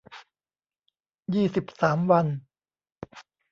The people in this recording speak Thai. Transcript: ยี่สิบสาม วัน